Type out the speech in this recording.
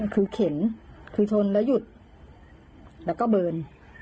คือเข็นคือชนแล้วหยุดแล้วก็เบิร์น